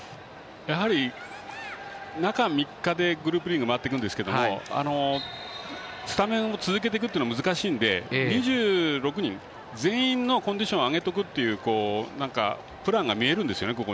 中３日でグループリーグを回っていくんですけどスタメンを続けていくのは難しいので２６人全員のコンディションを上げとくっていうプランが見えるんですよね。